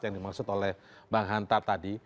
yang dimaksud oleh bang hanta tadi